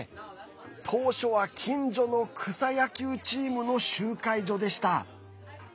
当初は、近所の草野球チームの集会所でした。